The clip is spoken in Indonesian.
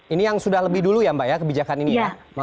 ini yang sudah lebih dulu ya mbak ya kebijakan ini ya